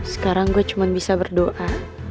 sekarang gue cuma bisa berdoa